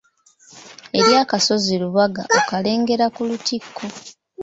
Eri akasozi Lubaga okalengera ku lutikko.